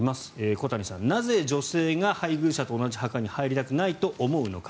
小谷さん、なぜ女性が配偶者と同じ墓に入りたくないと思うのか。